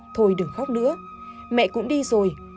thôi đừng khóc nữa mẹ cũng đi rồi